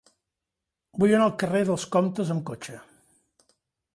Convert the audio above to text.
Vull anar al carrer dels Comtes amb cotxe.